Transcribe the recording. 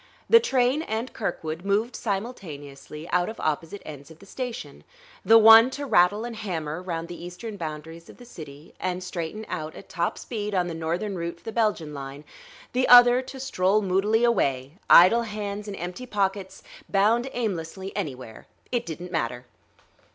The train and Kirkwood moved simultaneously out of opposite ends of the station, the one to rattle and hammer round the eastern boundaries of the city and straighten out at top speed on the northern route for the Belgian line, the other to stroll moodily away, idle hands in empty pockets, bound aimlessly anywhere it didn't matter!